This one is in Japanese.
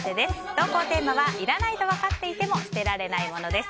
投稿テーマはいらないとわかっていても捨てられないものです。